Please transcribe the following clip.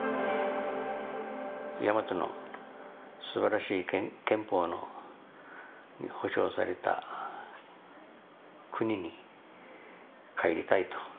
ヤマトのすばらしい憲法に保障された国に帰りたいと。